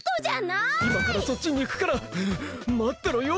いまからそっちにいくからまってろよ。